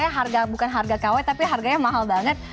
harga bukan harga kw tapi harganya mahal banget